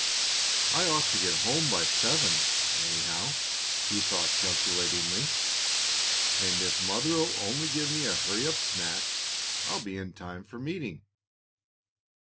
"I ought to get home by seven, anyhow," he thought calculatingly. "And if Mother'll only give me a hurry up snack, I'll be in time for meeting."